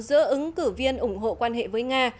giữa ứng cử viên ủng hộ quan hệ với nga